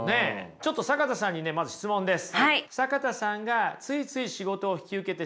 ちょっと坂田さんにねまず質問です。